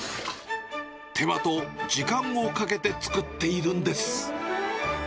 手間と時間をかけて作っているんです。